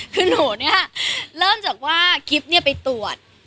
คือหนูเนี่ยเริ่มจากว่ากิ๊บเนี่ยไปตรวจ